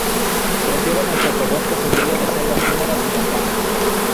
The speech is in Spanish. Prefieren el sotobosque sombrío de selvas húmedas montanas.